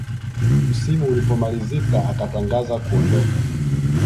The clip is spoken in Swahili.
msimu ulipomalizika akatangaza kuondoka